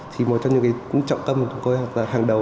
thì một trong những trọng tâm của chúng tôi là hàng đầu